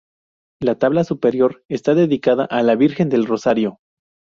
La tabla superior está dedicada a la Virgen del Rosario.